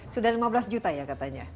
sudah lima belas juta ya katanya